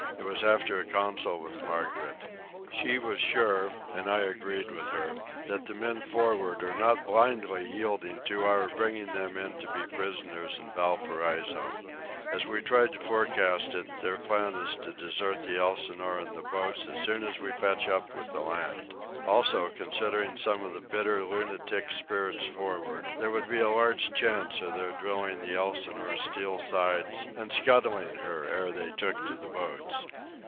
It was after a council with Margaret. She was sure, and I agreed with her, that the men for'ard are not blindly yielding to our bringing them in to be prisoners in Valparaiso. As we tried to forecast it, their plan is to desert the Elsinore in the boats as soon as we fetch up with the land. Also, considering some of the bitter lunatic spirits for'ard, there would be a large chance of their drilling the Elsinore's steel sides and scuttling her ere they took to the boats.